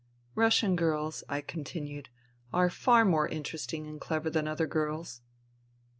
" Russian girls," I continued, " are far more inter esting and clever than other girls."